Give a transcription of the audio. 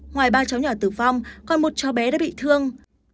ngoài ba cháu nhỏ tử vong còn một cháu bé đã bị thương